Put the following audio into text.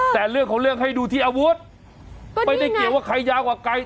แต่เรื่องของเรื่องให้ดูที่อาวุธไม่ได้เกี่ยวว่าใครยาวกว่าไกล